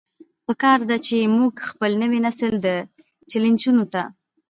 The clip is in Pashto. پکار ده چې مونږ خپل نوے نسل دې چيلنجونو ته